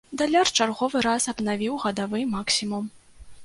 Даляр чарговы раз абнавіў гадавы максімум.